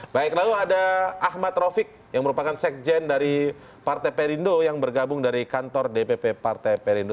baik lalu ada ahmad rofik yang merupakan sekjen dari partai perindo yang bergabung dari kantor dpp partai perindo